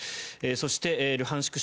そしてルハンシク